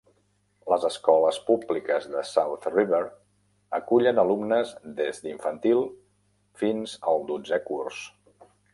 Les escoles públiques de South River acullen alumnes des d'infantil fins al dotzè curs.